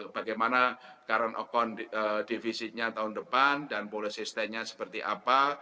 bagaimana current account divisinya tahun depan dan pola sistemnya seperti apa